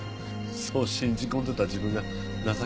そう信じ込んでた自分が情けないです。